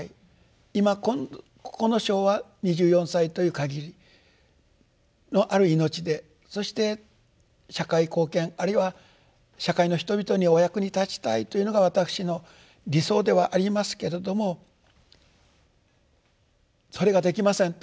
今この生は２４歳という限りのある命でそして社会貢献あるいは社会の人々にお役に立ちたいというのが私の理想ではありますけれどもそれができませんと。